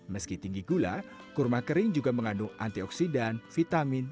meski tinggi gula kurma kering juga mengandung antioksidan vitamin